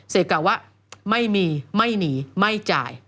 กล่าวว่าไม่มีไม่หนีไม่จ่าย